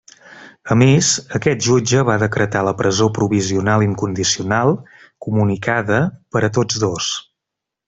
A més, aquest jutge va decretar la presó provisional incondicional, comunicada, per a tots dos.